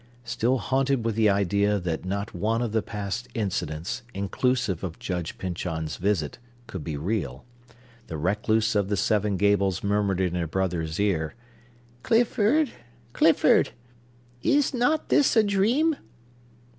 Still haunted with the idea that not one of the past incidents, inclusive of Judge Pyncheon's visit, could be real, the recluse of the Seven Gables murmured in her brother's ear,— "Clifford! Clifford! Is not this a dream?"